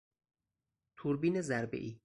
توربین ضربهای